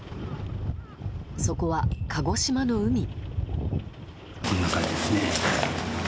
そこは鹿児島の海。